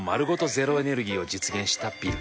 ゼロエネルギーを実現したビル。